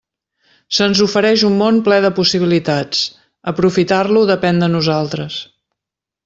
Se'ns ofereix un món ple de possibilitats; aprofitar-lo depèn de nosaltres.